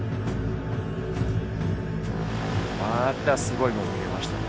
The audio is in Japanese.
またすごいもん見れましたね。